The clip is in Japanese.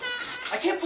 あっ。